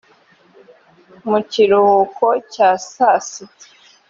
mu kiruhuko cya saa sita